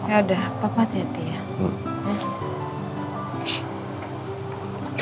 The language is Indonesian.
ya udah bapak hati hati ya